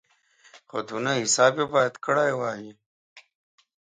خو دونه حساب یې باید کړی وای.